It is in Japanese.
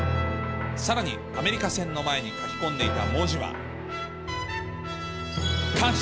さらにアメリカ戦の前に書き込んでいた文字は。